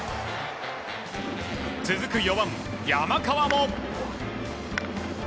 続く４番、山川も。